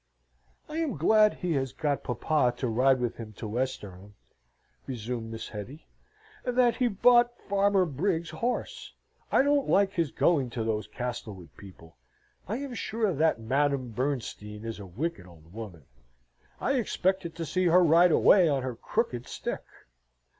"I am glad he has got papa to ride with him to Westerham," resumed Miss Hetty, "and that he bought Farmer Briggs's horse. I don't like his going to those Castlewood people. I am sure that Madame Bernstein is a wicked old woman. I expected to see her ride away on her crooked stick."